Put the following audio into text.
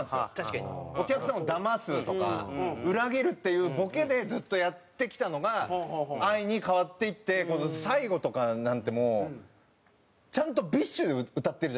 お客さんをだますとか裏切るっていうボケでずっとやってきたのが愛に変わっていって最後とかなんてもうちゃんとＢｉＳＨ歌ってるじゃないですか。